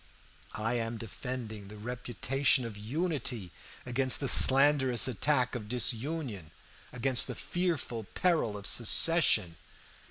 I am defending the reputation of unity against the slanderous attack of disunion, against the fearful peril of secession.